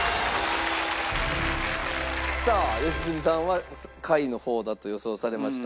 さあ良純さんは下位の方だと予想されました。